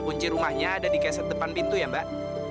kunci rumahnya ada di keset depan pintu ya mbak